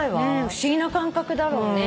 不思議な感覚だろうね。